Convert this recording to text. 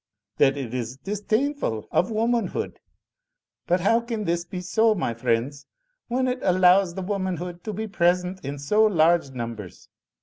That it is disdainful of the womanhood. But how can this be so, my friends, when it allows the womanhood to be present in so large numbers?